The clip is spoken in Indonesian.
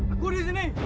aku di sini